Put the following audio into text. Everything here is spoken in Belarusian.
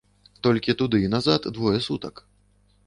Толькі туды і назад двое сутак.